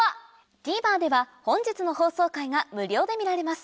ＴＶｅｒでは本日の放送回が無料で見られます